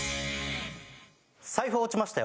「財布落ちましたよ」